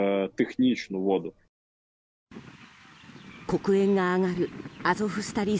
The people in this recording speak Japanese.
黒煙が上がるアゾフスタリ